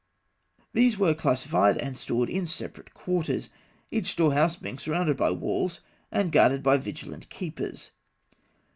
These were classified and stored in separate quarters, each storehouse being surrounded by walls and guarded by vigilant keepers.